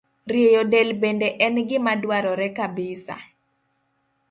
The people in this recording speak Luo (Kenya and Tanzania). Rieyo del bende en gima dwarore kabisa.